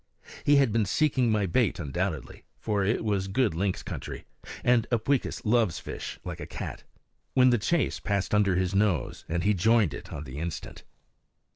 He had been seeking my bait undoubtedly for it was a good lynx country, and Upweekis loves fish like a cat when the chase passed under his nose and he joined it on the instant.